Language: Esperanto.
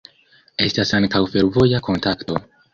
Estas ankaŭ fervoja kontakto.